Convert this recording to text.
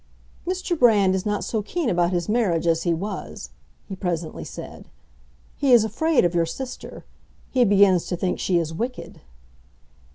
"Mr. Brand is not so keen about his marriage as he was," he presently said. "He is afraid of your sister. He begins to think she is wicked."